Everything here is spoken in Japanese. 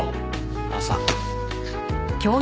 朝。